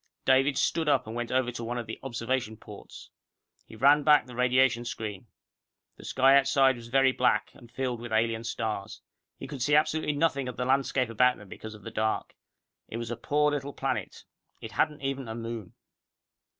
David stood up, and went over to one of the observation ports. He ran back the radiation screen. The sky outside was very black, and filled with alien stars. He could see absolutely nothing of the landscape about them because of the dark. It was a poor little planet. It hadn't even a moon.